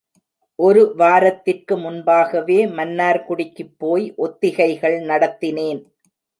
ஒரு வாரத்திற்கு முன்பாகவே மன்னார்குடிக்குப் போய் ஒத்திகைகள் நடத்தினேன்.